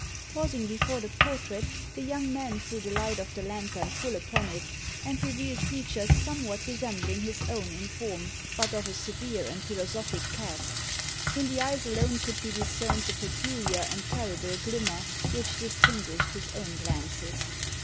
Pausing before the portrait, the young man threw the light of the lantern full upon it, and revealed features somewhat resembling his own in form, but of a severe and philosophic cast. In the eyes alone could be discerned the peculiar and terrible glimmer which distinguished his own glances.